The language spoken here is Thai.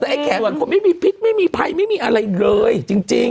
แต่ไอ้แขวนกว่าไม่มีพิษไม่มีไพไม่มีอะไรเลยจริงจริง